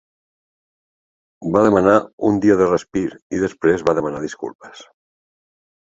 Va demanar un dia de respir, i després va demanar disculpes.